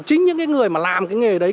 chính những người mà làm cái nghề đấy